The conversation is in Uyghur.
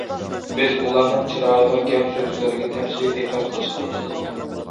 بىز ئۇلارنىڭ چىرايىغا، گەپ- سۆزلىرىگە تەپسىلىي دىققەت قىلىشقا باشلىدۇق.